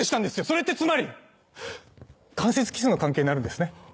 それってつまり間接キスの関係になるんですね。